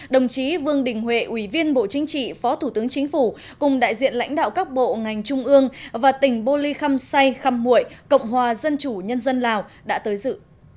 đồng chí vương đình huệ ủy viên bộ chính trị phó thủ tướng chính phủ cùng đại diện lãnh đạo các bộ ngành trung ương và tỉnh bô ly khăm say khăm mụy cộng hòa dân chủ nhân dân lào đã tới dự